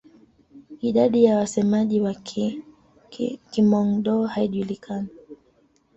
Idadi ya wasemaji wa Kihmong-Dô haijulikani.